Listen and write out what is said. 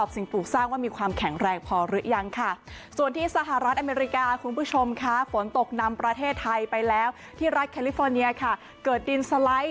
สิ่งปลูกสร้างว่ามีความแข็งแรงพอหรือยังค่ะส่วนที่สหรัฐอเมริกาคุณผู้ชมค่ะฝนตกนำประเทศไทยไปแล้วที่รัฐแคลิฟอร์เนียค่ะเกิดดินสไลด์